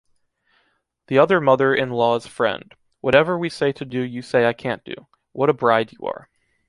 The other mother-in-law's friend: Whatever we say to do you say I can't do, what a bride you are